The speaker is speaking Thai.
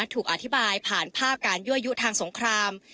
ถูกอธิบายผ่านภาพการยั่วยุทางสงคราม